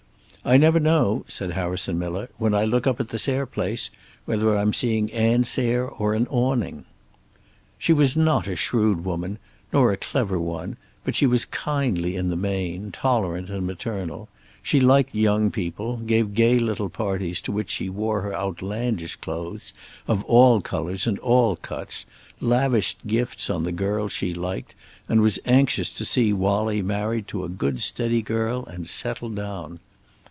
"I never know," said Harrison Miller, "when I look up at the Sayre place, whether I'm seeing Ann Sayre or an awning." She was not a shrewd woman, nor a clever one, but she was kindly in the main, tolerant and maternal. She liked young people, gave gay little parties to which she wore her outlandish clothes of all colors and all cuts, lavished gifts on the girls she liked, and was anxious to see Wallie married to a good steady girl and settled down.